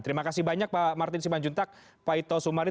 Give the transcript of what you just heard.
terima kasih banyak pak martin siman juntak pak ito sumary